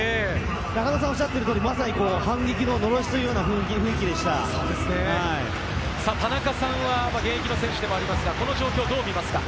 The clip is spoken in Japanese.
中野さんがおっしゃっていた通り、まさに反撃のの田中さんは現役の選手でもありますが、この状況をどう見ますか？